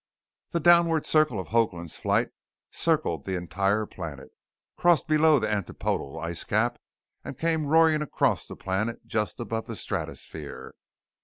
The downward circle of Hoagland's flight circled the entire planet, crossed below the antipodal ice cap and came roaring across the planet just above the stratosphere.